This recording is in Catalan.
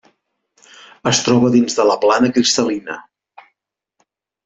Es troba dins de la plana cristal·lina.